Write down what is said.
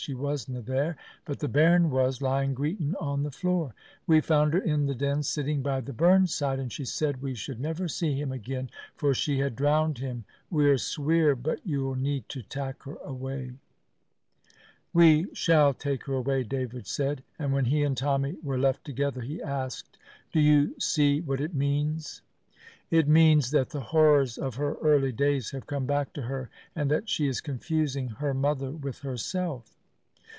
She wasna there, but the bairn was, lying greetin' on the floor. We found her in the Den, sitting by the burn side, and she said we should never see him again, for she had drowned him. We're sweer, but you'll need to tak' her awa'." "We shall take her away," David said, and when he and Tommy were left together he asked: "Do you see what it means?" "It means that the horrors of her early days have come back to her, and that she is confusing her mother with herself."